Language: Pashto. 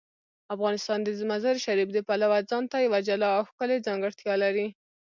افغانستان د مزارشریف د پلوه ځانته یوه جلا او ښکلې ځانګړتیا لري.